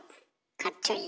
かっちょいい。